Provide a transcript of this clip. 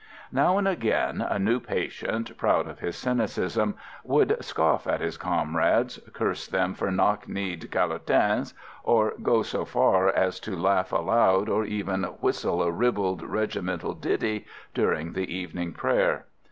Now and again a new patient, proud of his cynicism, would scoff at his comrades, curse them for knock kneed calotins, or go so far as to laugh aloud, or even whistle a ribald regimental ditty, during the evening prayer.